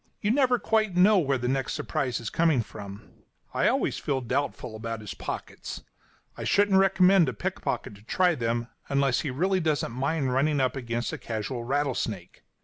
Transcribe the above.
You never quite know where the next surprise is coming from. I always feel doubtful about his pockets. I shouldn't recommend a pickpocket to try them, unless he really doesn't mind running against a casual rattlesnake.